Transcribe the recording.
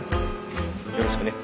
よろしくね。